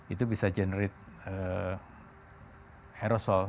itu bisa generate aerosol